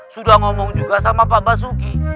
sudah ngomong juga sama pak basuki